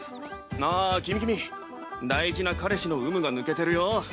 ああ君君大事な彼氏の有無が抜けてるよ。